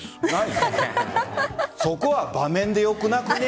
そこは場面でよくなくね。